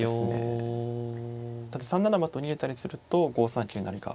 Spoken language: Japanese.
ただ３七馬と逃げたりすると５三桂成が。